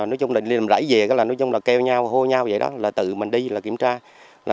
nói chung là đi làm rãi về nói chung là kêu nhau hô nhau vậy đó là tự mình đi là kiểm tra